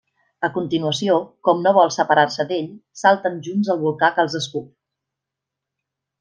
A continuació, com no vol separar-se d'ell, salten junts al volcà que els escup.